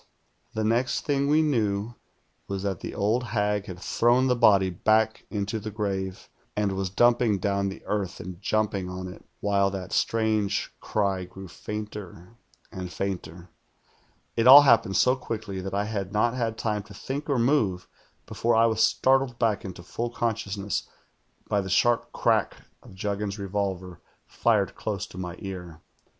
The next thing we knew was tliMt the old hag had thrown the body back into the grave, and was dumping down the earth and jumping on it, wliile that strange cry grew fainter and fainter. 1 1 all happened so quickly that I had not had time to Lliink or move before I was startled back into full consciousness by the sharp crack of Juggins's revolver fired close to my ear.